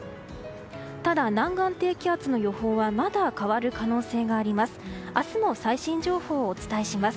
ただ、南岸低気圧の予報はまだ変わる可能性があります。